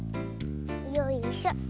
よいしょ。